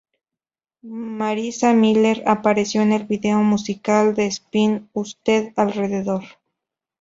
Marisa Miller apareció en el video musical de "Spin Usted alrededor".